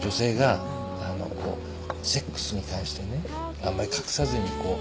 こうセックスに対してねあんまり隠さずにこう。